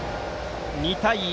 ２対１。